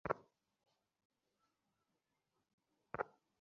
শুক্রবার রাতে আততায়ীরা ক্রেমলিনের খুব কাছেই গুলি করে নেমৎসভকে হত্যা করে।